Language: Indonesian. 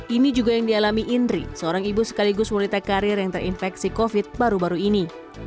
ini juga yang dialami indri seorang ibu sekaligus wanita karir yang terinfeksi covid baru baru ini